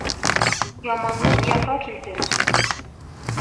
Яманлыҡ яфа килтерер.